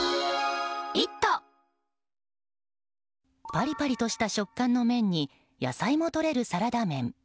パリパリとした食感の麺に野菜もとれるサラダ麺。